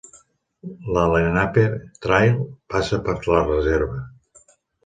La Lenape Trail passa per la reserva.